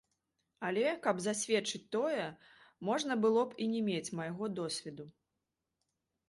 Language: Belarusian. Але, каб засведчыць тое, можна было б і не мець майго досведу.